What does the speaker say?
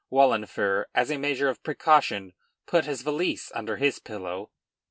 Wahlenfer, as a measure of precaution, put his valise under his pillow.